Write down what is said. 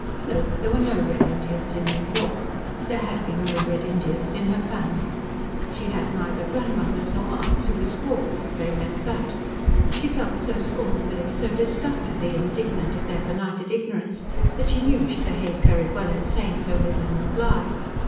No, there were no red Indians in New York. There had been no red Indians in her family. She had neither grandmothers nor aunts who were squaws, if they meant that. She felt so scornfully, so disgustedly indignant at their benighted ignorance, that she knew she behaved very well in saying so little in reply.